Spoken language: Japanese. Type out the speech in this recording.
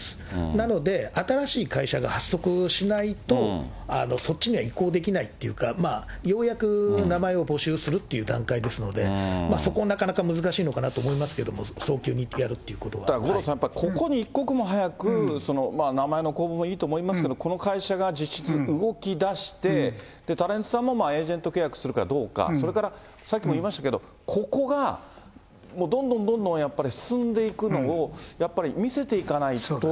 なので、新しい会社が発足しないと、そっちには移行できないっていうか、ようやく名前を募集するっていう段階ですので、そこをなかなか難しいのかなと思いますけども、五郎さん、やっぱここに一刻も早く、名前の公募もいいと思いますけれども、この会社が実質動きだして、タレントさんもエージェント契約するかどうか、それからさっきも言いましたけど、ここがどんどんどんどんやっぱり進んでいくのを、やっぱり見せていかないと。